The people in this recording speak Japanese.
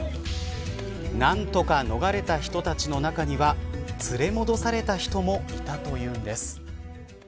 何とか逃れた人たちの中には連れ戻された人もいたというんです。